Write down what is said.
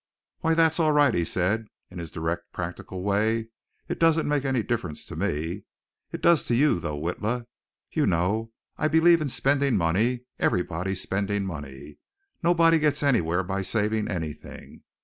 "Why, that's all right," he said, in his direct, practical way. "It doesn't make any difference to me. It does to you, though, Witla. You know, I believe in spending money, everybody spending money. Nobody gets anywhere by saving anything.